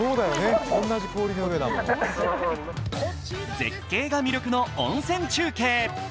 絶景が魅力の温泉中継。